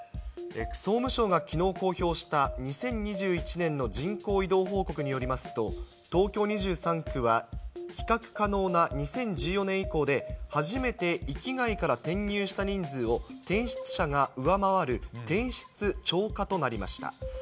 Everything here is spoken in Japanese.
総務省がきのう公表した２０２１年の人口移動報告によりますと、東京２３区は比較可能な２０１４年以降で、初めて域外から転入した人数を、転出者が上回る、転出超過となりました。